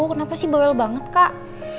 kenapa sih bawel banget kak